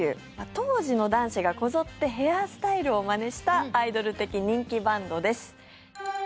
当時の男子がこぞってヘアスタイルをまねしたアイドル的人気バンドです。